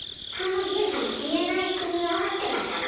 ＹＯＵさん言えない国は合ってましたか？